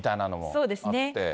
そうですね。